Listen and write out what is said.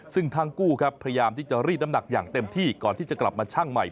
ซึ่งทั้งคู่ครับพยายามที่จะรีดน้ำหนักอย่างเต็มที่ก่อนที่จะกลับมาชั่งใหม่